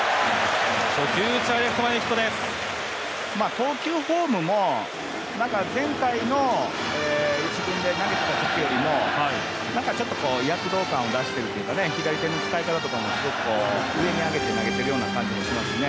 投球フォームも前回の１軍で投げてたときよりもなんかちょっと躍動感を出しているというか左手の使い方とかも、すごく上に上げて投げてるような感じがしますね。